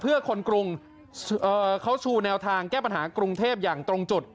เพื่อคนกรุงเขาชูแนวทางแก้ปัญหากรุงเทพอย่างตรงจุด